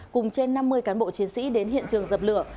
cùng trên năm mươi cán bộ chiến sĩ đến hiện trường dập lửa